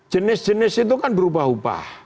jenis jenis itu kan berubah ubah